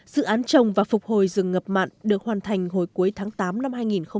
dự án trồng và phục hồi rừng ngập mặn được hoàn thành hồi cuối tháng tám năm hai nghìn một mươi bảy